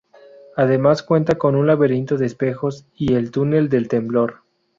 Además cuenta con un laberinto de espejos y el túnel del temblor.